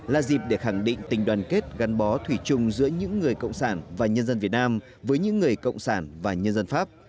là dịp để khẳng định tình đoàn kết gắn bó thủy chung giữa những người cộng sản và nhân dân việt nam với những người cộng sản và nhân dân pháp